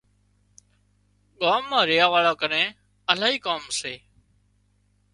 ڳام مان ريا واۯان ڪنين الاهي ڪام سي